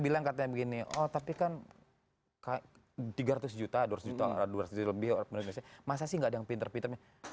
kalau misalnya begini oh tapi kan tiga ratus juta dua ratus juta dua ratus juta lebih masa sih nggak ada yang pinter pinter